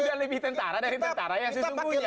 sudah lebih tentara dari tentara yang sesungguhnya